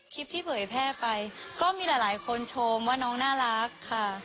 คลิปที่เผยแพร่ไปก็มีหลายคนชมว่าน้องน่ารักค่ะ